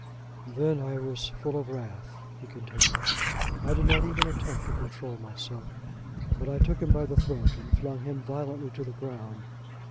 "Then I was full of wrath," he continued. "I did not even attempt to control myself; but I took him by the throat and flung him violently to the ground.